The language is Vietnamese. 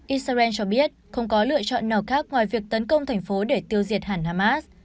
israel cho biết không có lựa chọn nào khác ngoài việc tấn công thành phố để tiêu diệt hàn hamas